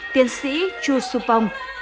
tiến sĩ chú sưu pông